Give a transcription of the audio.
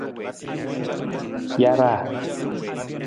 Jaaraa.